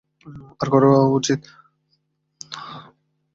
আর করাও উচিৎ।